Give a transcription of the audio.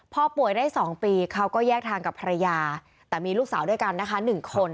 พอป่วยได้๒ปีเขาก็แยกทางกับภรรยาแต่มีลูกสาวด้วยกันนะคะ๑คน